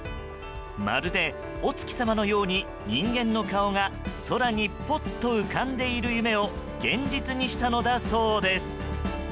まるでお月さまのように人間の顔が空にぽっと浮かんでいる夢を現実にしたのだそうです。